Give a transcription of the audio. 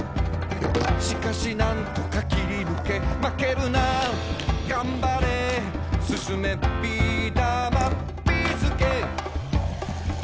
「しかし何とか切りぬけ」「まけるながんばれ」「進め！ビーだまビーすけ」